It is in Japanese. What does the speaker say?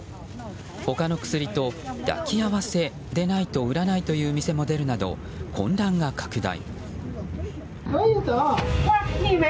他の薬と抱き合わせでないと売らないという店も出るなど混乱が拡大。